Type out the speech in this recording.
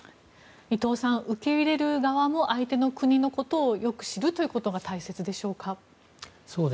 伊藤さん受け入れる側も相手の国のことをよく知るということが大切でしょうか。